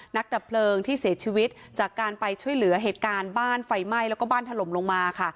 ดับเพลิงที่เสียชีวิตจากการไปช่วยเหลือเหตุการณ์บ้านไฟไหม้แล้วก็บ้านถล่มลงมาค่ะ